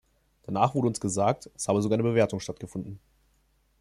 Danach wurde uns gesagt, es habe sogar eine Bewertung stattgefunden.